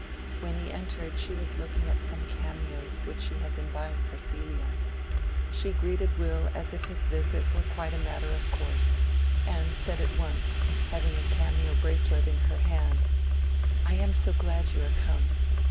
When he entered she was looking at some cameos which she had been buying for Celia. She greeted Will as if his visit were quite a matter of course, and said at once, having a cameo bracelet in her hand— "I am so glad you are come.